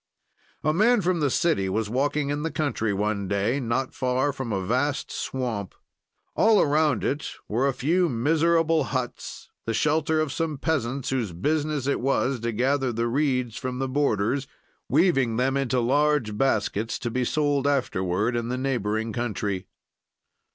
"A man from the city was walking in the country one day, not far from a vast swamp. "All around it were a few miserable huts, the shelter of some peasants whose business it was to gather the reeds from the borders, weaving them into large baskets to be sold afterward in the neighboring country.